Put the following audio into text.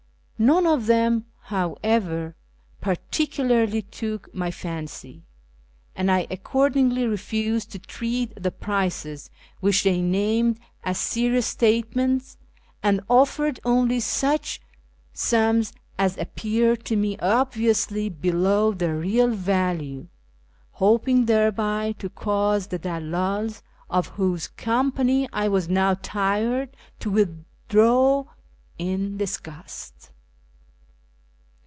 None of them, however, particularly took my fancy, and I accordingly refused to treat the prices which they named as serious statements, and offered only such sums as appeared to me obviously below their real value, hoping thereby to cause the dalldls, of whose company I was now tired, to withdraw in disgust.